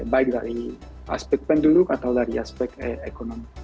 baik dari aspek penduduk atau dari aspek ekonomi